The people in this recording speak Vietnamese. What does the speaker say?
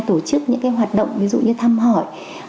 tổ chức những hoạt động ví dụ như thăm hỏi